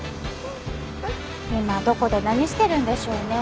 今どこで何してるんでしょうね？